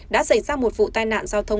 đã xảy ra một vụ tai nạn giao thông